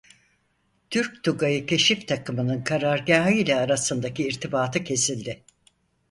Türk Tugayı keşif takımının karargâhı ile arasındaki irtibatı kesildi.